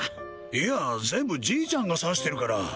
いや全部じいちゃんが指してるから